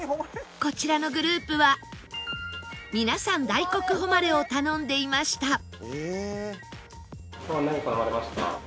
こちらのグループは皆さん大穀誉を頼んでいました